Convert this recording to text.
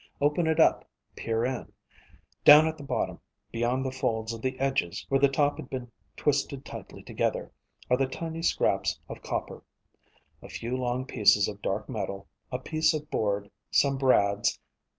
Open it up, peer in. Down at the bottom, beyond the folds of the edges where the top had been twisted tightly together, are the tiny scraps of copper, a few long pieces of dark metal, a piece of board, some brads.